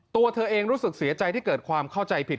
ตัวเธอเองรู้สึกเสียใจที่เกิดความเข้าใจผิด